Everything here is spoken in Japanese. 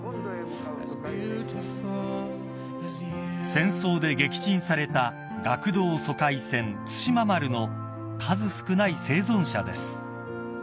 ［戦争で撃沈された学童疎開船対馬丸の数少ない生存者です］